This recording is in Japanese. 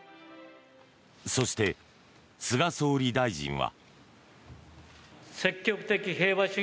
そして、菅総理大臣は。